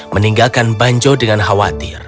meninggalkan banjo dengan khawatir